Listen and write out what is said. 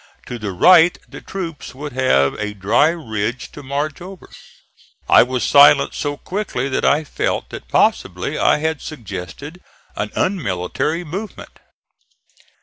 To the right the troops would have a dry ridge to march over. I was silenced so quickly that I felt that possibly I had suggested an unmilitary movement.